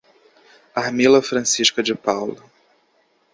Armila Francisca de Paula